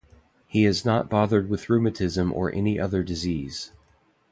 He is not bothered with rheumatism or any other disease.